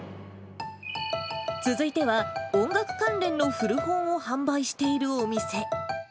続いては、音楽関連の古本を販売しているお店。